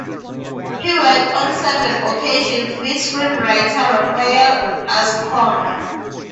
He worked on seven occasions with screenwriter Rafael Azcona.